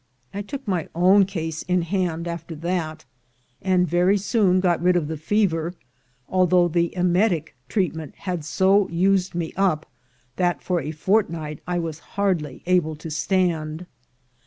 I took my own case in hand after that, and very soon got rid of the fever, although the emetic treat ment had so used me up that for a fortnight I was hardly able to stand.